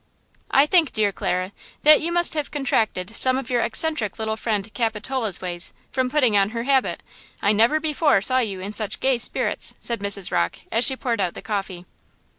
"I think, dear Clara, that you must have contracted some of your eccentric little friend Capitola's ways, from putting on her habit! I never before saw you in such gay spirits!" said Mrs. Rocke, as she poured out the coffee.